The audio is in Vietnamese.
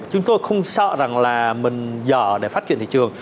chúng tôi không sợ rằng là mình dở để phát triển thị trường